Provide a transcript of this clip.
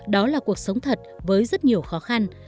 đó là cuộc sống thật với rất nhiều khó khăn